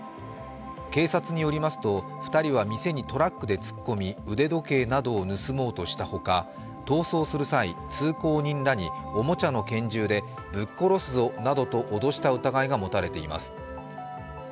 警察によりますと２人は店にトラックで突っ込み腕時計などを盗もうとしたほか逃走する際通行人らにおもちゃの拳銃でぶっ殺すぞなどと脅した疑いが持たれています。